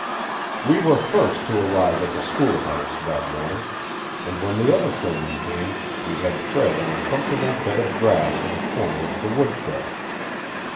We were first to arrive at the schoolhouse, that morning, and when the other children came we had Fred on a comfortable bed of grass in a corner of the woodshed.